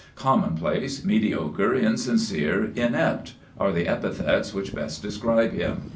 Commonplace, mediocre, insincere, inept, are the epithets which best describe him.